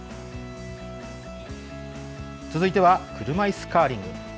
続いては、車いすカーリング。